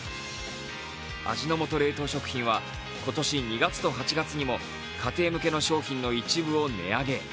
味の素冷凍食品は今年２月と８月にも家庭向けの商品の一部を値上げ。